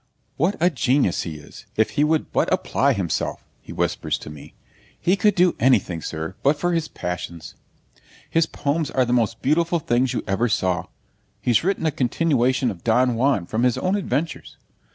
'What a genius he is, if he would but apply himself!' he whispers to me. 'He could be anything, sir, but for his passions. His poems are the most beautiful things you ever saw. He's written a continuation of "Don Juan," from his own adventures.